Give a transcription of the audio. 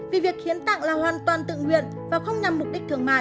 vì việc hiến tặng là hoàn toàn tự nguyện và không nhằm mục đích thương mại